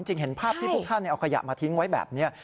เห็นภาพที่พวกท่านเอาขยะมาทิ้งไว้แบบนี้